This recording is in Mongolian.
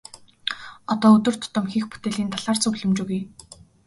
Одоо өдөр тутам хийх бүтээлийн талаар зөвлөмж өгье.